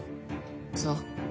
そう。